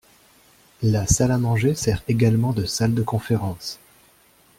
La salle à manger sert également de salle de conférence.